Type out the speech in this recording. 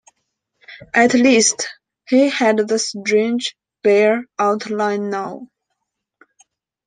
At least he had the strange, bare outline now.